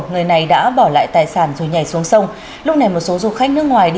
người này đã bỏ lại tài sản rồi nhảy xuống sông